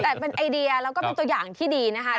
แต่เป็นไอเดียแล้วก็เป็นตัวอย่างที่ดีนะคะ